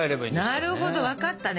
なるほど分かったね